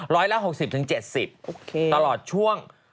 ร้อยละ๖๐๗๐ตลอดช่วง